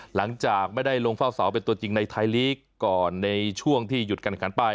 หลังจากไม่ได้ลงเฝ้าเสาเป็นตัวจริงในไทยลีกก่อนในช่วงที่หยุดการขันไป